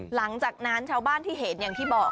หลังจากนั้นชาวบ้านที่เห็นอย่างที่บอก